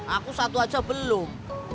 aku satu aja belum